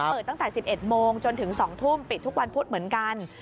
เปิดตั้งแต่๑๑โมงจนถึง๒ทุ่มปิดทุกวันพุธเหมือนกัน